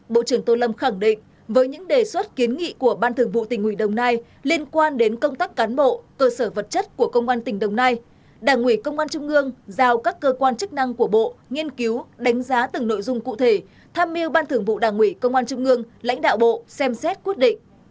bộ trưởng tô lâm khẳng định với những đề xuất kiến nghị của ban thường vụ tỉnh ủy đồng nai liên quan đến công tác cán bộ cơ sở vật chất của công an tỉnh đồng nai đảng ủy công an trung ương giao các cơ quan chức năng của bộ nghiên cứu đánh giá từng nội dung cụ thể tham mưu ban thường vụ đảng ủy công an trung ương lãnh đạo bộ xem xét quyết định